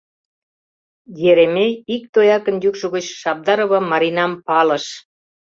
Еремей ик дояркын йӱкшӧ гыч Шабдарова Маринам палыш.